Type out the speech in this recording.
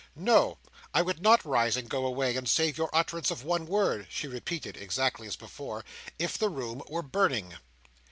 "No! I would not rise, and go away, and save you the utterance of one word," she repeated, exactly as before, "if the room were burning."